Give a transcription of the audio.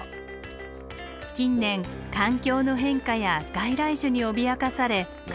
近年環境の変化や外来種に脅かされ数を減らしています。